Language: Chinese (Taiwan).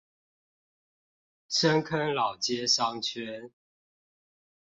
深坑老街商圈